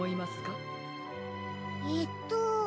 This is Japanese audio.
えっと。